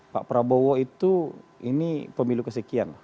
pak prabowo itu ini pemilu kesekian